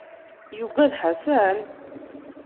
Yuggad Ḥasan?